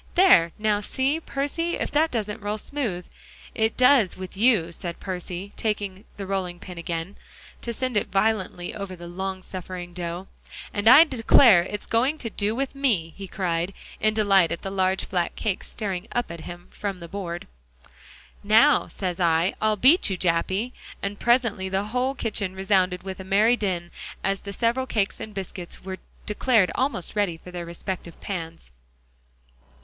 "There, now see, Percy, if that doesn't roll smooth." "It does with you," said Percy, taking the rolling pin again, to send it violently over the long suffering dough, "and I declare, it's going to do with me," he cried, in delight at the large flat cake staring up at him from the board. "Now, says I, I'll beat you, Jappy!" And presently the whole kitchen resounded with a merry din, as the several cakes and biscuits were declared almost ready for their respective pans.